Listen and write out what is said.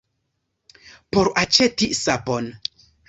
Por aĉeti sapon.